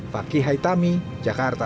fakih haitami jakarta